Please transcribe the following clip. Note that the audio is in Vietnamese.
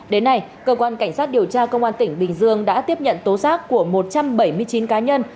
đến nay cơ quan cảnh sát điều tra công an tỉnh bình dương đã tiếp nhận tố giác của một trăm bảy mươi chín cá nhân